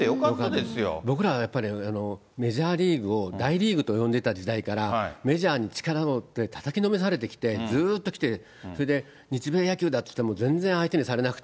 僕らやっぱり、メジャーリーグを大リーグと呼んでた時代から、メジャーに力、たたきのめされてきて、ずっときて、それで日米野球だって言っても、全然相手にされなくて。